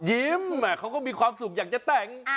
เขาก็มีความสุขอยากจะแต่ง